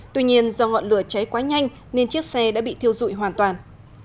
tuy nhiên do ngọn lửa cháy quá nhanh nên chiếc xe đã bị thiêu dụi hoàn toàn